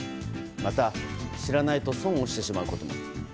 また、知らないと損をしてしまうことも。